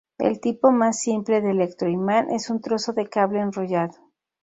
El tipo más simple de electroimán es un trozo de cable enrollado.